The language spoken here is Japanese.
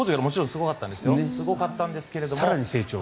すごかったんですけど。